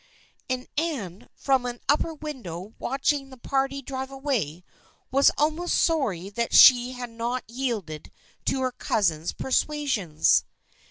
And Anne, from an upper window watching the party drive away, was almost sorry that she had not yielded to her cousin's persuasions.